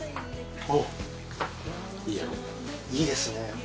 おっいいですね。